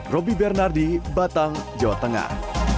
roby bernardi batang jawa tengah